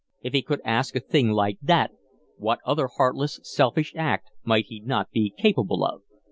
If he could ask a thing like that, what other heartless, selfish act might he not be capable of?